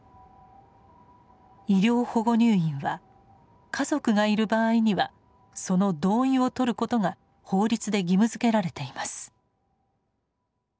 医療保護入院は家族がいる場合にはその同意をとることが法律で義務づけられています。